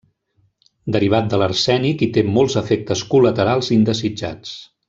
Derivat de l'arsènic i té molts efectes col·laterals indesitjats.